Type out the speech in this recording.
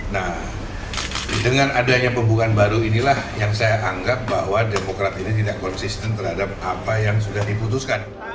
nah dengan adanya pembukaan baru inilah yang saya anggap bahwa demokrat ini tidak konsisten terhadap apa yang sudah diputuskan